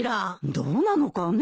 どうなのかね。